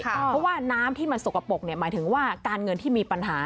เพราะว่าน้ำที่มันสกปรกหมายถึงว่าการเงินที่มีปัญหา